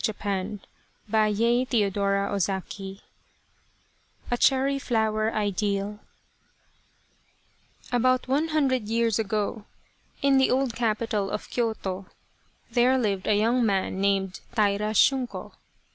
237 A Cherry Flower Idyll A Cherry Flower Idyll BOUT one hundred years ago, in the old capital of Kyoto, there lived a young man named Taira Shunko.